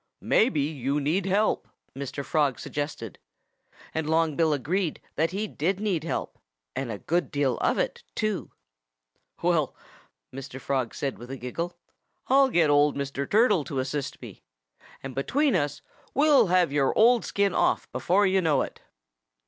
"Maybe you need help," Mr. Frog suggested. And Long Bill agreed that he did need help and a good deal of it, too. "Well," Mr. Frog said with a giggle, "I'll get old Mr. Turtle to assist me. And between us we'll have your old skin off before you know it."